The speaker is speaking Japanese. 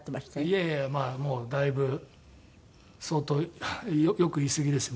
いやいやもうだいぶ相当良く言いすぎですね